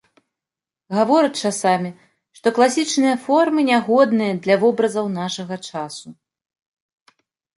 Гавораць часамі, што класічныя формы нягодныя для вобразаў нашага часу.